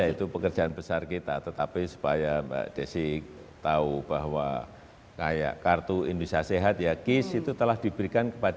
ya itu pekerjaan besar kita tetapi supaya mbak desi tahu bahwa kayak kartu indonesia sehat ya kis itu telah diberikan kepada